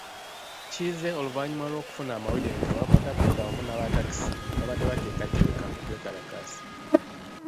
Kize oluvannyuma lw'okufuna amawulire nti aba boda boda wamu n'aba takisi babadde bateekateeka kwekalakaasa.